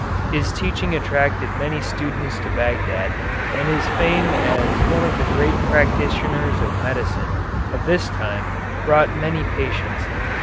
His teaching attracted many students to Bagdad and his fame as one of the great practitioners of medicine of this time brought many patients.